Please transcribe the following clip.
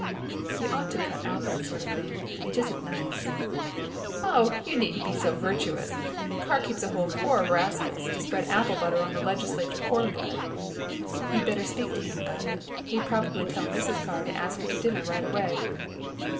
"You ought to cut out that sort of thing; it isn't nice." "Oh, you needn't be so virtuous. Carr keeps a whole corps of rascals to spread apple butter on the legislature corn bread." "You'd better speak to him about it. He'd probably tell Mrs. Carr to ask you to dinner right away."